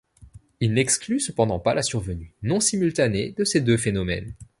Il n'exclut cependant pas la survenue non simultanée de ces deux phénomènes.